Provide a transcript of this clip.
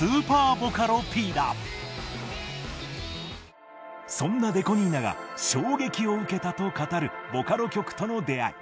まさにそんなＤＥＣＯ２７が「衝撃を受けた」と語るボカロ曲との出会い。